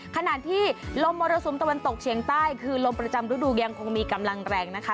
ขณะที่ลมมรสุมตะวันตกเฉียงใต้คือลมประจำฤดูยังคงมีกำลังแรงนะคะ